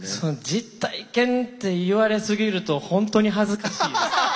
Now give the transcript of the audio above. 実体験って言われすぎると本当に恥ずかしいです。